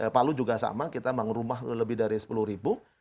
palu juga sama kita meng rumah lebih dari sepuluh ribu